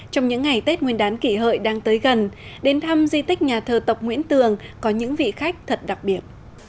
trong những ngày tết nguyên đán kỷ hợi đang tới gần đến thăm di tích nhà thờ tộc nguyễn tường có những vị khách thật đặc biệt